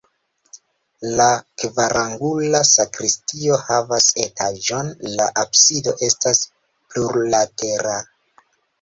La kvarangula sakristio havas etaĝon, la absido estas plurlatera.